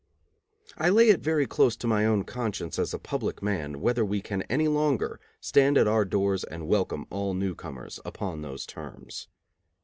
I lay it very close to my own conscience as a public man whether we can any longer stand at our doors and welcome all newcomers upon those terms.